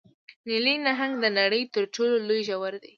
نیلي نهنګ د نړۍ تر ټولو لوی ژوی دی